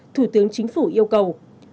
thủ tướng chính phủ yêu cầu